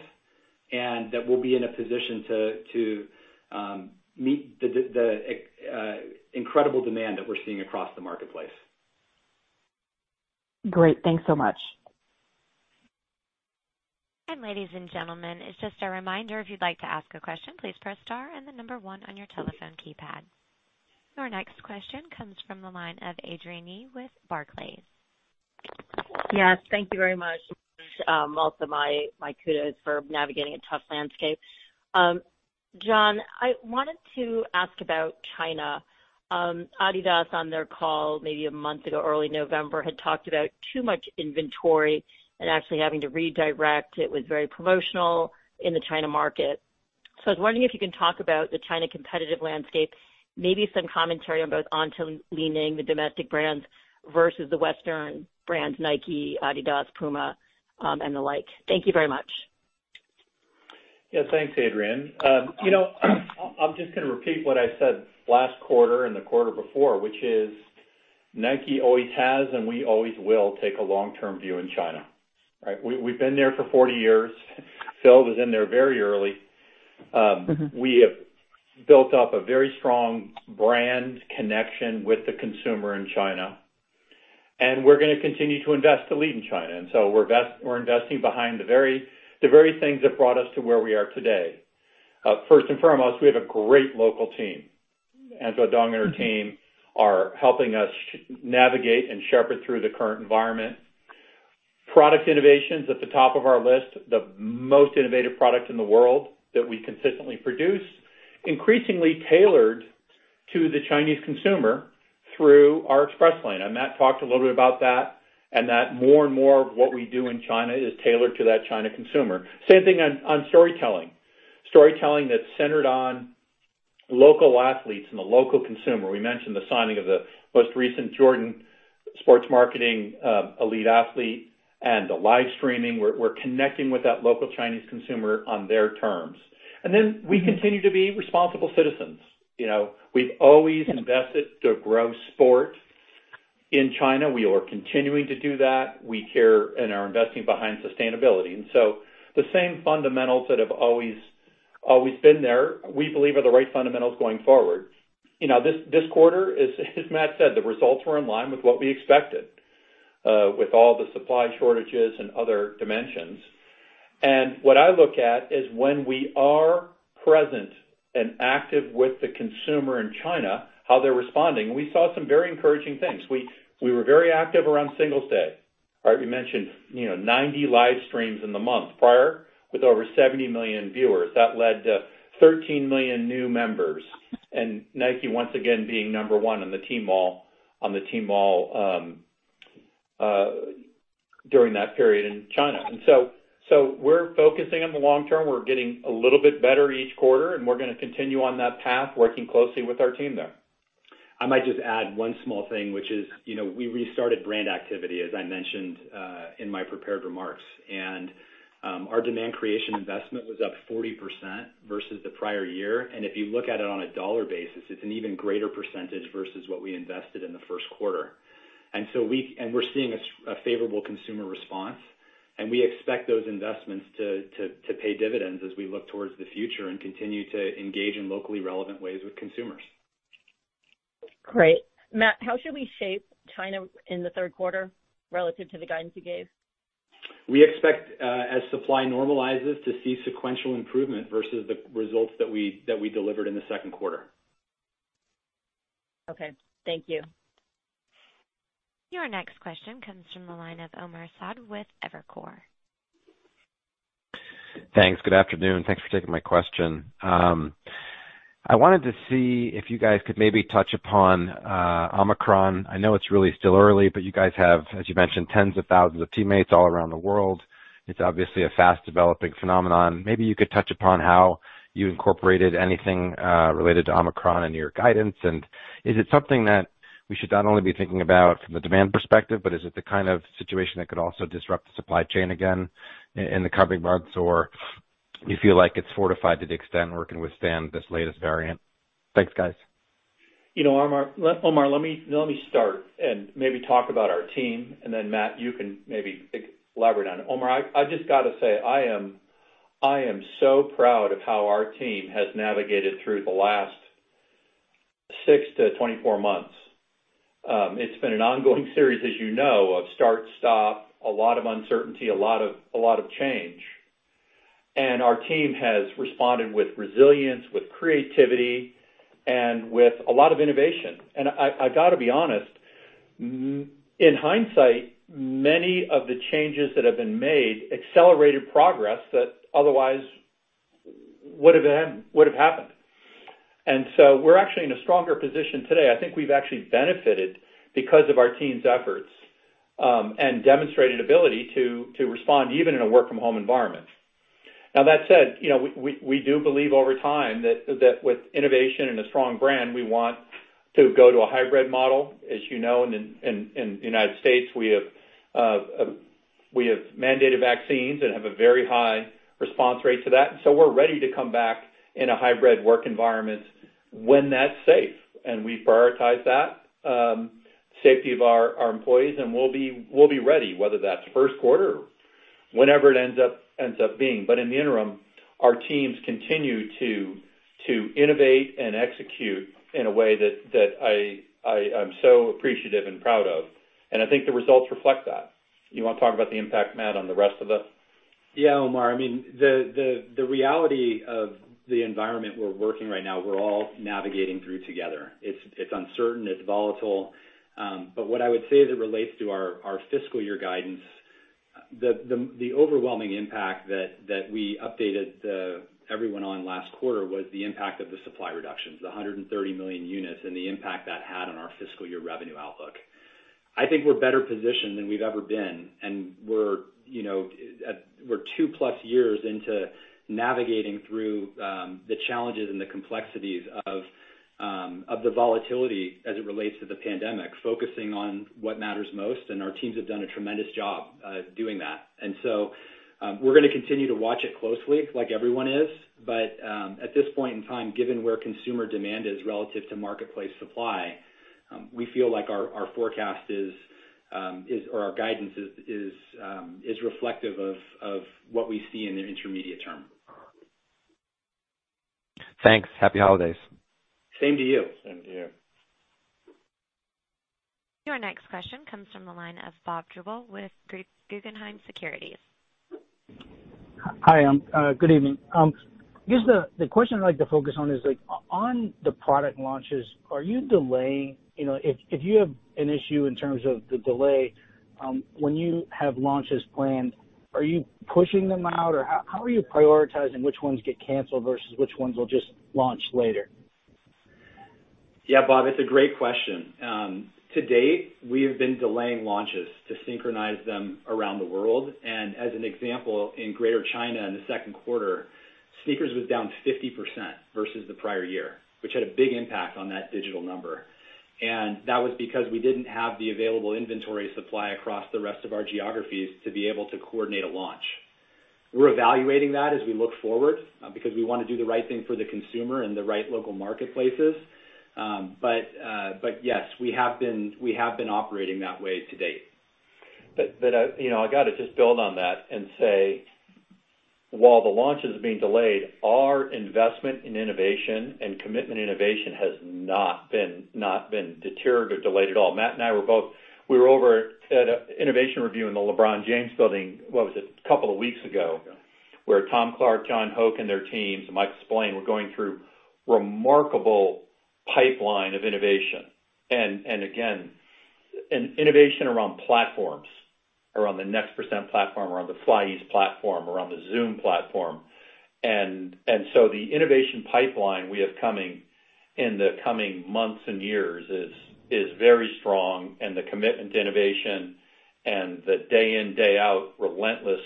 Speaker 4: and that we'll be in a position to meet the incredible demand that we're seeing across the marketplace.
Speaker 5: Great. Thanks so much.
Speaker 1: Ladies and gentlemen, it's just a reminder if you'd like to ask a question, please press star and the number one on your telephone keypad. Your next question comes from the line of Adrienne Yih with Barclays.
Speaker 6: Yes, thank you very much. Also my kudos for navigating a tough landscape. John, I wanted to ask about China. Adidas on their call maybe a month ago, early November, had talked about too much inventory and actually having to redirect. It was very promotional in the China market. I was wondering if you can talk about the China competitive landscape, maybe some commentary on both Anta, Li-Ning, the domestic brands versus the Western brands, NIKE, Adidas, Puma, and the like. Thank you very much.
Speaker 3: NIKEYeah. Thanks, Adrienne. You know, I'm just gonna repeat what I said last quarter and the quarter before, which is NIKE always has and we always will take a long-term view in China, right? We've been there for 40 years. Phil was in there very early.
Speaker 6: Mm-hmm.
Speaker 3: We have built up a very strong brand connection with the consumer in China, and we're gonna continue to invest to lead in China. We're investing behind the very things that brought us to where we are today. First and foremost, we have a great local team. Angela Dong and her team are helping us navigate and shepherd through the current environment. Product innovation's at the top of our list, the most innovative product in the world that we consistently produce, increasingly tailored to the Chinese consumer through our Express Lane. Matt talked a little bit about that and that more and more of what we do in China is tailored to that China consumer. Same thing on storytelling. Storytelling that's centered on local athletes and the local consumer. We mentioned the signing of the most recent Jordan Sports marketing, elite athlete and the live streaming. We're connecting with that local Chinese consumer on their terms. We continue to be responsible citizens. You know, we've always invested to grow sport in China. We are continuing to do that. We care and are investing behind sustainability. The same fundamentals that have always been there, we believe are the right fundamentals going forward. You know, this quarter is as Matt said, the results were in line with what we expected, with all the supply shortages and other dimensions. What I look at is when we are present and active with the consumer in China, how they're responding. We saw some very encouraging things. We were very active around Singles' Day. All right, we mentioned, you know, 90 live streams in the month prior with over 70 million viewers. That led to 13 million new members. NIKE once again being number one on the Tmall during that period in China. We're focusing on the long-term. We're getting a little bit better each quarter, and we're gonna continue on that path, working closely with our team there.
Speaker 4: I might just add one small thing, which is, you know, we restarted brand activity, as I mentioned, in my prepared remarks. Our demand creation investment was up 40% versus the prior year. If you look at it on a dollar basis, it's an even greater percentage versus what we invested in the first quarter. We're seeing a favorable consumer response, and we expect those investments to pay dividends as we look towards the future and continue to engage in locally relevant ways with consumers.
Speaker 6: Great. Matt, how should we shape China in the third quarter relative to the guidance you gave?
Speaker 4: We expect, as supply normalizes, to see sequential improvement versus the results that we delivered in the second quarter.
Speaker 6: Okay. Thank you.
Speaker 1: Your next question comes from the line of Omar Saad with Evercore.
Speaker 7: Thanks. Good afternoon. Thanks for taking my question. I wanted to see if you guys could maybe touch upon Omicron. I know it's really still early, but you guys have, as you mentioned, tens of thousands of teammates all around the world. It's obviously a fast developing phenomenon. Maybe you could touch upon how you incorporated anything related to Omicron in your guidance. Is it something that we should not only be thinking about from the demand perspective, but is it the kind of situation that could also disrupt the supply chain again in the coming months? Or you feel like it's fortified to the extent where it can withstand this latest variant. Thanks, guys.
Speaker 3: You know, Omar, let me start and maybe talk about our team, and then Matt, you can maybe elaborate on it. Omar, I just gotta say, I am so proud of how our team has navigated through the last six to 24 months. It's been an ongoing series, as you know, of start, stop, a lot of uncertainty, a lot of change. Our team has responded with resilience, with creativity, and with a lot of innovation. I gotta be honest, in hindsight, many of the changes that have been made accelerated progress that otherwise would have happened. We're actually in a stronger position today. I think we've actually benefited because of our team's efforts and demonstrated ability to respond even in a work from home environment. Now, that said, you know, we do believe over time that with innovation and a strong brand, we want to go to a hybrid model. As you know, in the United States, we have mandated vaccines and have a very high response rate to that. We're ready to come back in a hybrid work environment when that's safe. We prioritize that safety of our employees, and we'll be ready, whether that's first quarter or whenever it ends up being. In the interim, our teams continue to innovate and execute in a way that I am so appreciative and proud of. I think the results reflect that. You wanna talk about the impact, Matt, on the rest of it?
Speaker 4: Yeah, Omar. I mean, the reality of the environment we're working right now, we're all navigating through together. It's uncertain, it's volatile. But what I would say as it relates to our fiscal year guidance, the overwhelming impact that we updated everyone on last quarter was the impact of the supply reductions, the 130 million units and the impact that had on our fiscal year revenue outlook. I think we're better positioned than we've ever been, and we're, you know, we're 2+ years into navigating through the challenges and the complexities of the volatility as it relates to the pandemic, focusing on what matters most. Our teams have done a tremendous job doing that. We're gonna continue to watch it closely like everyone is. At this point in time, given where consumer demand is relative to marketplace supply, we feel like our forecast or our guidance is reflective of what we see in the intermediate term.
Speaker 7: Thanks. Happy holidays.
Speaker 3: Same to you.
Speaker 4: Same to you.
Speaker 1: Your next question comes from the line of Bob Drbul with Guggenheim Securities.
Speaker 8: Hi. Good evening. I guess the question I'd like to focus on is, like, on the product launches, are you delaying? You know, if you have an issue in terms of the delay, when you have launches planned, are you pushing them out? Or how are you prioritizing which ones get canceled versus which ones will just launch later?
Speaker 4: Yeah, Bob, it's a great question. To date, we have been delaying launches to synchronize them around the world. As an example, in Greater China in the second quarter, SNKRS was down 50% versus the prior year, which had a big impact on that digital number. That was because we didn't have the available inventory supply across the rest of our geographies to be able to coordinate a launch. We're evaluating that as we look forward, because we wanna do the right thing for the consumer and the right local marketplaces. Yes, we have been operating that way to date.
Speaker 3: You know, I gotta just build on that and say while the launch is being delayed, our investment in innovation and commitment innovation has not been deterred or delayed at all. Matt and I were over at an innovation review in the LeBron James building, what was it, a couple of weeks ago, where Tom Clark, John Hoke, and their teams, and Mike Spillane were going through remarkable pipeline of innovation. Again, innovation around platforms, around the Next% platform, around the FlyEase platform, around the Zoom platform. The innovation pipeline we have coming in the coming months and years is very strong, and the commitment to innovation and the day in, day out relentless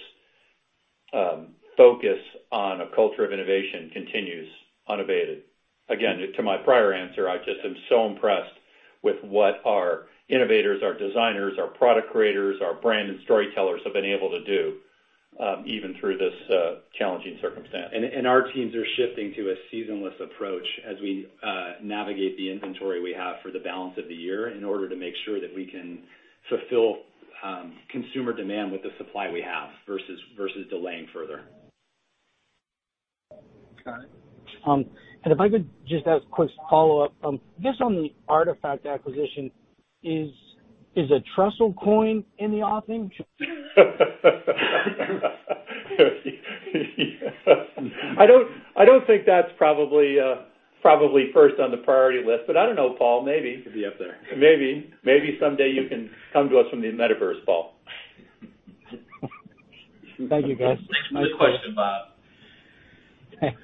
Speaker 3: focus on a culture of innovation continues unabated. Again, to my prior answer, I just am so impressed with what our innovators, our designers, our product creators, our brand and storytellers have been able to do, even through this challenging circumstance. Our teams are shifting to a season-less approach as we navigate the inventory we have for the balance of the year in order to make sure that we can fulfill consumer demand with the supply we have versus delaying further.
Speaker 8: Got it. If I could just ask quick follow-up. Just on the RTFKT acquisition, is a Trussell coin in the offing?
Speaker 3: I don't think that's probably first on the priority list, but I don't know, Paul, maybe.
Speaker 4: Could be up there.
Speaker 3: Maybe. Maybe someday you can come to us from the Metaverse, Paul.
Speaker 8: Thank you, guys.
Speaker 4: Good question, Bob.
Speaker 8: Thanks.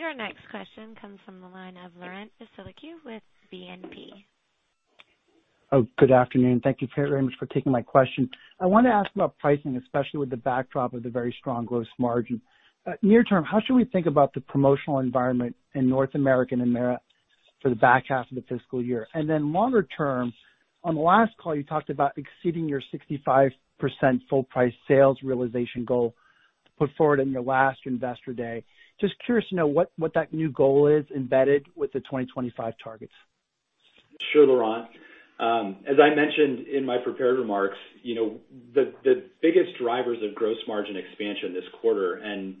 Speaker 1: Your next question comes from the line of Laurent Vasilescu with BNP.
Speaker 9: Oh, good afternoon. Thank you very much for taking my question. I wanted to ask about pricing, especially with the backdrop of the very strong gross margin. Near-term, how should we think about the promotional environment in North America and EMEA for the back half of the fiscal year? Longer-term, on the last call, you talked about exceeding your 65% full price sales realization goal put forward in your last Investor Day. Just curious to know what that new goal is embedded with the 2025 targets.
Speaker 4: Sure, Laurent. As I mentioned in my prepared remarks, you know, the biggest drivers of gross margin expansion this quarter and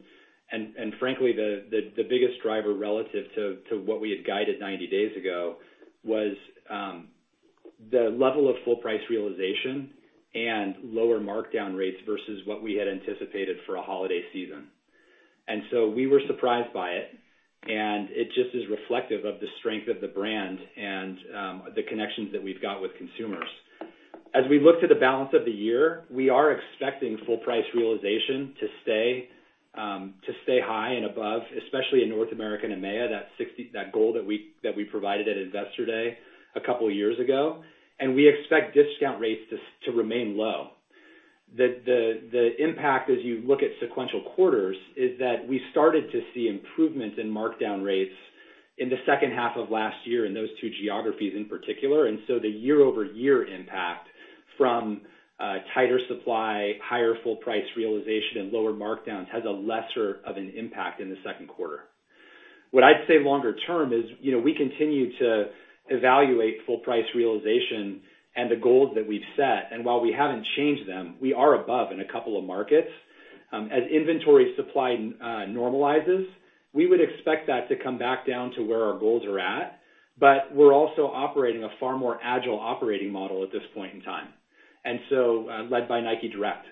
Speaker 4: frankly, the biggest driver relative to what we had guided 90 days ago was the level of full price realization and lower markdown rates versus what we had anticipated for a holiday season. We were surprised by it, and it just is reflective of the strength of the brand and the connections that we've got with consumers. As we look to the balance of the year, we are expecting full price realization to stay high and above, especially in North America and EMEA, that 60% goal that we provided at Investor Day a couple years ago. We expect discount rates to remain low. The impact as you look at sequential quarters is that we started to see improvements in markdown rates in the second half of last year in those two geographies in particular. The year-over-year impact from tighter supply, higher full price realization and lower markdowns has a lesser of an impact in the second quarter. What I'd say longer-term is, you know, we continue to evaluate full price realization and the goals that we've set. While we haven't changed them, we are above in a couple of markets. As inventory supply normalizes, we would expect that to come back down to where our goals are at. We're also operating a far more agile operating model at this point in time, led by NIKE Direct.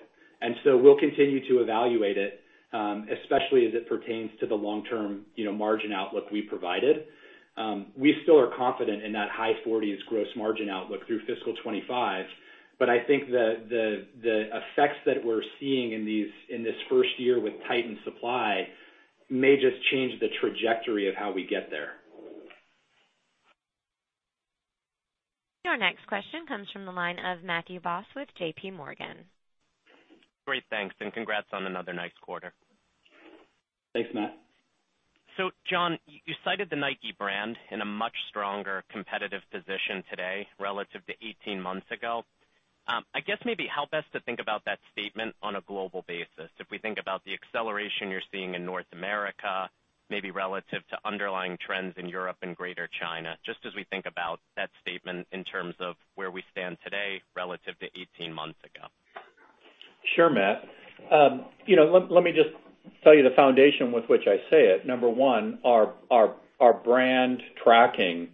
Speaker 4: We'll continue to evaluate it, especially as it pertains to the long-term, you know, margin outlook we provided. We still are confident in that high 40s% gross margin outlook through fiscal 2025, but I think the effects that we're seeing in this first year with tightened supply may just change the trajectory of how we get there.
Speaker 1: Our next question comes from the line of Matthew Boss with JPMorgan.
Speaker 10: Great. Thanks, and congrats on another nice quarter.
Speaker 4: Thanks, Matt.
Speaker 10: John, you cited the NIKE brand in a much stronger competitive position today relative to 18 months ago. I guess maybe help us to think about that statement on a global basis. If we think about the acceleration you're seeing in North America, maybe relative to underlying trends in Europe and Greater China, just as we think about that statement in terms of where we stand today relative to 18 months ago.
Speaker 3: Sure, Matt. You know, let me just tell you the foundation with which I say it. Number one, our brand tracking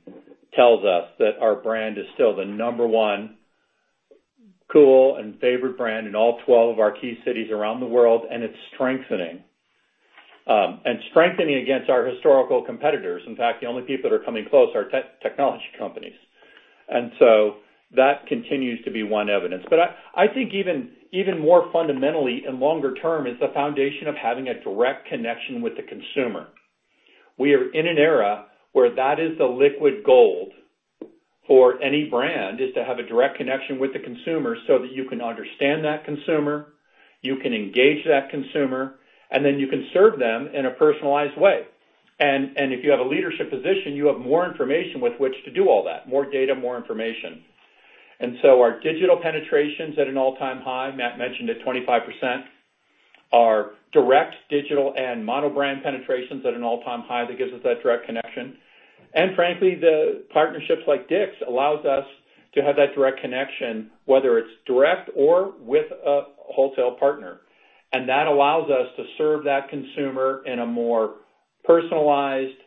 Speaker 3: tells us that our brand is still the number one cool and favorite brand in all 12 of our key cities around the world, and it's strengthening against our historical competitors. In fact, the only people that are coming close are technology companies. That continues to be one evidence. I think even more fundamentally and longer-term is the foundation of having a direct connection with the consumer. We are in an era where that is the liquid gold for any brand, is to have a direct connection with the consumer so that you can understand that consumer, you can engage that consumer, and then you can serve them in a personalized way. If you have a leadership position, you have more information with which to do all that. More data, more information. Our digital penetration's at an all-time high. Matt mentioned it, 25%. Our direct digital and mono brand penetration's at an all-time high. That gives us that direct connection. Frankly, the partnerships like DICK'S allows us to have that direct connection, whether it's direct or with a wholesale partner. That allows us to serve that consumer in a more personalized,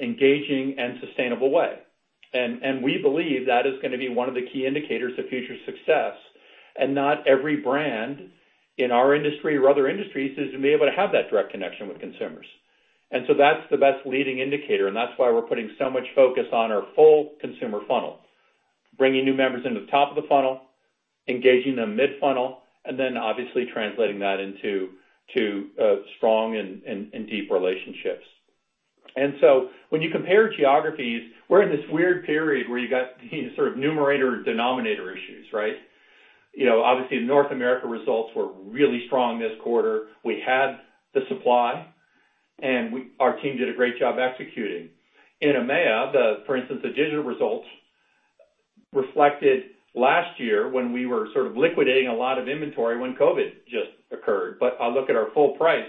Speaker 3: engaging, and sustainable way. We believe that is gonna be one of the key indicators of future success. Not every brand in our industry or other industries is to be able to have that direct connection with consumers. That's the best leading indicator, and that's why we're putting so much focus on our full consumer funnel. Bringing new members into the top of the funnel, engaging them mid-funnel, and then obviously translating that into strong and deep relationships. When you compare geographies, we're in this weird period where you got these sort of numerator or denominator issues, right? You know, obviously North America results were really strong this quarter. We had the supply, and our team did a great job executing. In EMEA, for instance, the digital results reflected last year when we were sort of liquidating a lot of inventory when COVID just occurred. If I look at our full price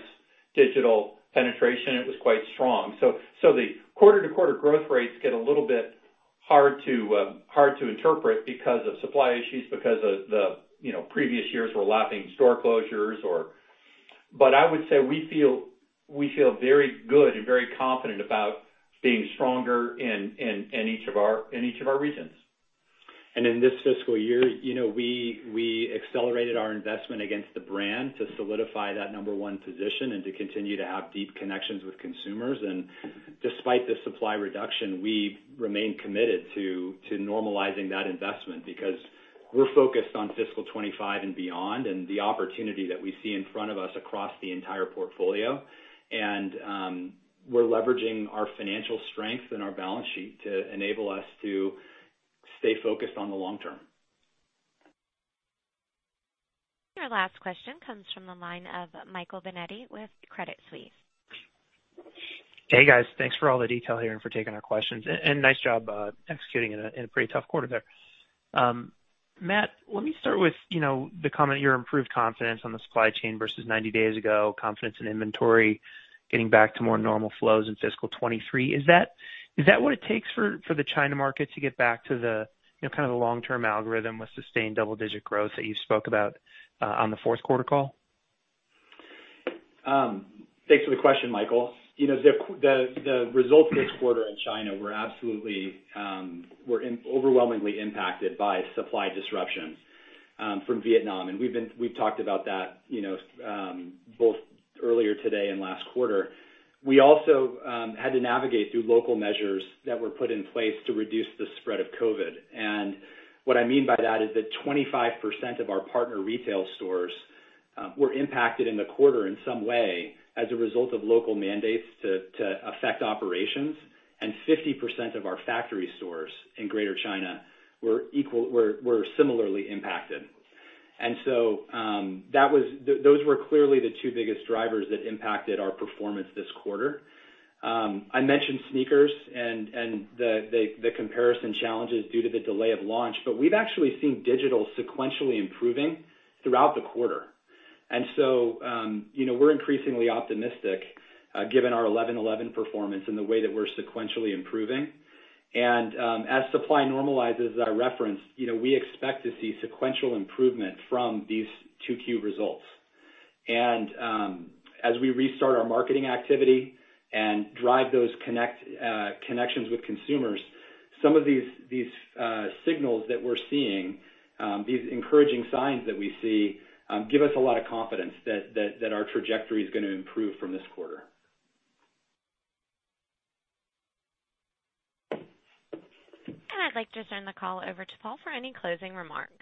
Speaker 3: digital penetration, it was quite strong. The quarter-to-quarter growth rates get a little bit hard to interpret because of supply issues, you know, previous years were lapping store closures. I would say we feel very good and very confident about being stronger in each of our regions.
Speaker 4: In this fiscal year, you know, we accelerated our investment against the brand to solidify that number one position and to continue to have deep connections with consumers. Despite the supply reduction, we remain committed to normalizing that investment because we're focused on fiscal 2025 and beyond, and the opportunity that we see in front of us across the entire portfolio. We're leveraging our financial strength and our balance sheet to enable us to stay focused on the long-term.
Speaker 1: Your last question comes from the line of Michael Binetti with Credit Suisse.
Speaker 11: Hey, guys. Thanks for all the detail here and for taking our questions. Nice job executing in a pretty tough quarter there. Matt, let me start with, you know, the comment, your improved confidence on the supply chain versus 90 days ago, confidence in inventory, getting back to more normal flows in fiscal 2023. Is that what it takes for the China market to get back to the, you know, kind of the long-term algorithm with sustained double-digit growth that you spoke about on the fourth quarter call?
Speaker 4: Thanks for the question, Michael. You know, the results this quarter in China were absolutely overwhelmingly impacted by supply disruptions from Vietnam. We've talked about that, you know, both earlier today and last quarter. We also had to navigate through local measures that were put in place to reduce the spread of COVID. What I mean by that is that 25% of our partner retail stores were impacted in the quarter in some way as a result of local mandates to affect operations, and 50% of our factory stores in Greater China were similarly impacted. Those were clearly the two biggest drivers that impacted our performance this quarter. I mentioned sneakers and the comparison challenges due to the delay of launch, but we've actually seen digital sequentially improving throughout the quarter. You know, we're increasingly optimistic given our 11.11 performance and the way that we're sequentially improving. As supply normalizes, as I referenced, you know, we expect to see sequential improvement from these 2Q results. As we restart our marketing activity and drive those connections with consumers, some of these signals that we're seeing, these encouraging signs that we see, give us a lot of confidence that our trajectory is gonna improve from this quarter.
Speaker 1: I'd like to turn the call over to Paul for any closing remarks.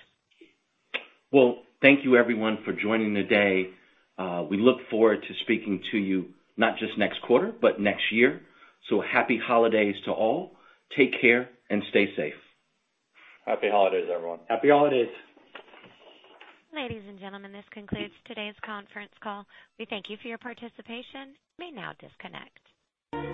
Speaker 2: Well, thank you everyone for joining today. We look forward to speaking to you not just next quarter, but next year. Happy holidays to all. Take care and stay safe.
Speaker 4: Happy holidays, everyone.
Speaker 3: Happy holidays.
Speaker 1: Ladies and gentlemen, this concludes today's conference call. We thank you for your participation. You may now disconnect.